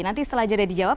nanti setelah jadah dijawab